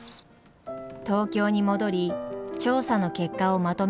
東京に戻り調査の結果をまとめる